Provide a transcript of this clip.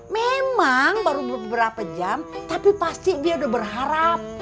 memang baru beberapa jam tapi pasti dia udah berharap